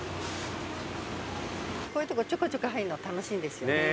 こういうとこちょこちょこ入んの楽しいんですよね。